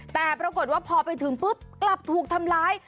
แต่ปรากฏว่าพอไปถึงปุ๊บกลับถูกทำร้าย